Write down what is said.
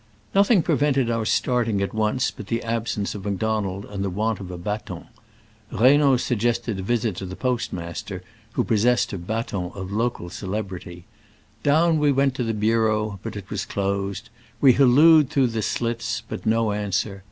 Nothing prevented our starting at once but the absence of Macdonald and the want of a baton. Reynaud suggested a visit to the postmaster, who possessed a baton of local celebrity. Down we went to the bureau, but it was closed : we hallooed through the slits, but no answer.